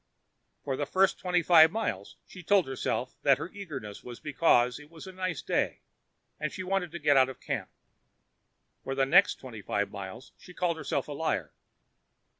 For the first twenty five miles, she told herself that her eagerness was because it was a nice day and she wanted to get out of camp. For the next twenty five miles, she called herself a liar.